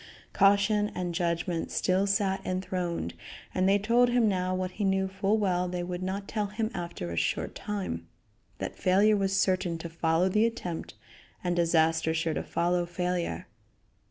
Caution and judgment still sat enthroned, and they told him now what he knew full well they would not tell him after a short time that failure was certain to follow the attempt, and disaster sure to follow failure.